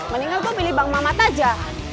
mendingan gue milih bang mamat aja